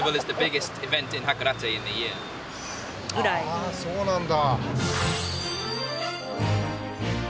あぁそうなんだ。